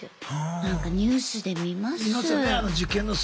なんかニュースで見ます。